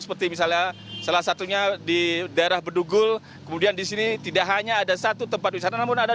seperti misalnya salah satunya di daerah bedugul kemudian di sini tidak hanya ada satu tempat wisata